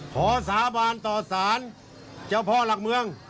ขอสาบานต่อสารเจ้าพ่อหลักเมือง